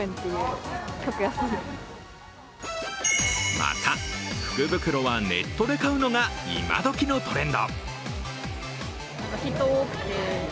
また、福袋はネットで買うのが今どきのトレンド。